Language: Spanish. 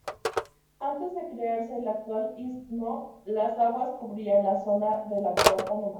Antes de crearse el actual istmo, las aguas cubrían la zona del actual Panamá.